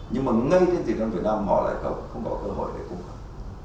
nhưng mà ngay trên thị trấn việt nam họ lại không có cơ hội để cung cấp